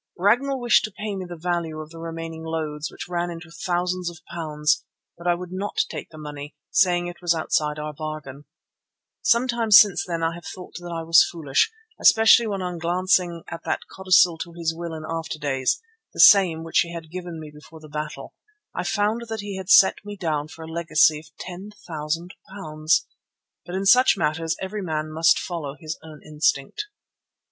Ragnall wished to pay me the value of the remaining loads, which ran into thousands of pounds, but I would not take the money, saying it was outside our bargain. Sometimes since then I have thought that I was foolish, especially when on glancing at that codicil to his will in after days, the same which he had given me before the battle, I found that he had set me down for a legacy of £10,000. But in such matters every man must follow his own instinct.